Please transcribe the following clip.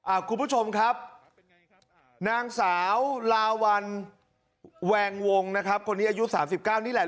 คุณผู้ชมครับนางสาวลาวัลแวงวงนะครับคนนี้อายุสามสิบเก้านี่แหละ